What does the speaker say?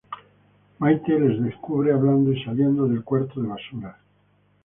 Maite les descubre hablando y saliendo del cuarto de basuras.